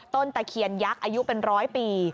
ตะเคียนยักษ์อายุเป็นร้อยปี